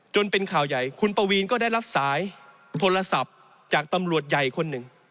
เป็นข่าวใหญ่คุณปวีนก็ได้รับสายโทรศัพท์จากตำรวจใหญ่คนหนึ่ง